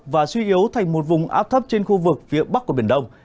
và suy yếu thành một vùng áp thấp trên khu vực phía bắc của biển đông